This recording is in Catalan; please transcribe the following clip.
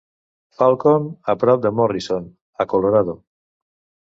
Falcon, a prop de Morrison, a Colorado.